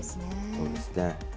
そうですね。